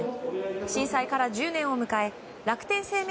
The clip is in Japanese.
震災から１０年を迎え楽天生命